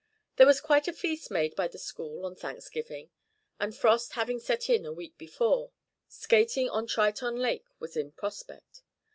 There was quite a feast made by the school on Thanksgiving, and frost having set in a week before, skating on Triton Lake was in prospect.